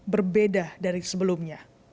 berbeda dari sebelumnya